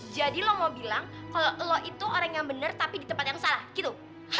jadi lo mau bilang kalau lo itu orang yang bener tapi di tempat yang salah gitu